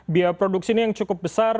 biaya produksi ini yang cukup besar